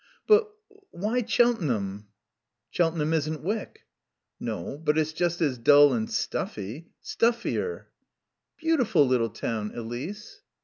"But why Cheltenham?" "Cheltenham isn't Wyck." "No. But it's just as dull and stuffy. Stuffier." "Beautiful little town, Elise."